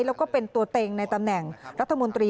แล้วก็เป็นตัวเต็งในตำแหน่งรัฐมนตรี